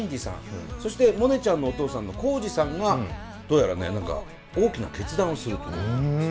そしてモネちゃんのお父さんの耕治さんがどうやらね何か大きな決断をすると。